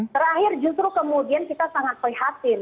terakhir justru kemudian kita sangat prihatin